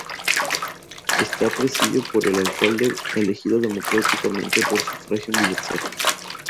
Está presidido por el Alcalde, elegido democráticamente por sufragio universal.